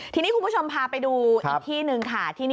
ทีนี้คุณผู้ชมพาไปดูอีกที่หนึ่งค่ะ